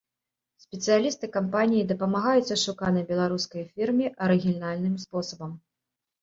Спецыялісты кампаніі дапамагаюць ашуканай беларускай фірме арыгінальным спосабам.